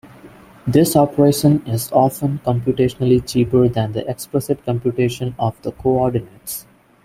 This operation is often computationally cheaper than the explicit computation of the coordinates.